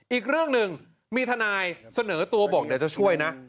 อีกเรื่องหนึ่งมีทนายเสนอตัวบอกเดี๋ยวจะช่วยนะ